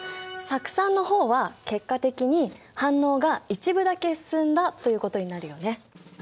酢酸の方は結果的に反応が一部だけ進んだということになるよね。